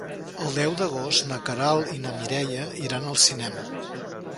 El deu d'agost na Queralt i na Mireia iran al cinema.